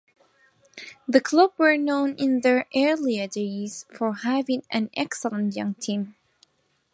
The club were known in their earlier days for having an excellent young team.